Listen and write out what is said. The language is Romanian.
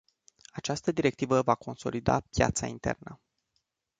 Această directivă va consolida piața internă.